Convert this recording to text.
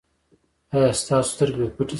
ایا ستاسو سترګې به پټې شي؟